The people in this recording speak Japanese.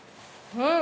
うん！